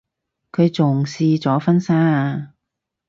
佢仲試咗婚紗啊